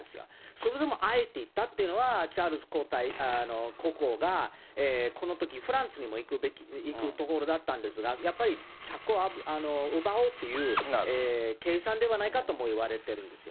それでもあえて行ったっていうのは、チャールズ国王がこのとき、フランスにも行くところだったんですが、やっぱり客を奪おうという計算ではないかともいわれてるんですよ